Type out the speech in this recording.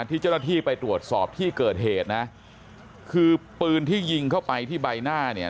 ที่เจ้าหน้าที่ไปตรวจสอบที่เกิดเหตุนะคือปืนที่ยิงเข้าไปที่ใบหน้าเนี่ย